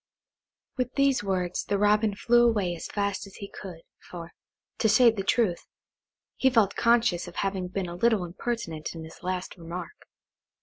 With these words the Robin flew away as fast as he could, for, to say the truth, he felt conscious of having been a little impertinent in his last remark.